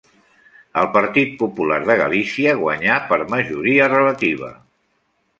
El Partit Popular de Galícia guanyà per majoria relativa.